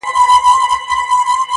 چاویل مور یې بي بي پلار یې اوزبک دی!